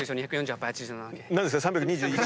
何ですか？